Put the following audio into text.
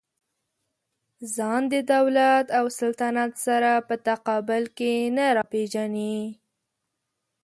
ځان د دولت او سلطنت سره په تقابل کې نه راپېژني.